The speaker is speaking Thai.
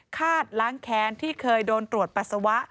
ฆาตล้างแค้นที่เคยโดนตรวจปัสสาวะ